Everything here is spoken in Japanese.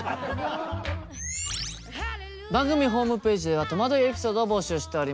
番組ホームページではとまどいエピソードを募集しております。